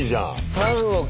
３億。